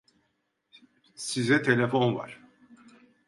Size telefon var.